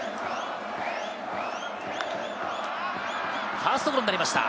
ファーストゴロになりました。